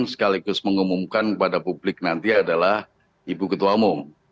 sekaligus mengumumkan kepada publik nanti adalah ibu ketua umum